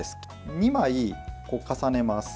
２枚、重ねます。